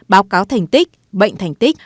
báo cáo thành tích bệnh thành tích